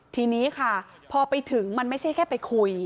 ทีนี้ค่ะพอไปถึงมันไม่ใช่แค่ไปคุย